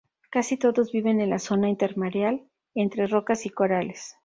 Casi todos viven en la zona intermareal, entre rocas y corales.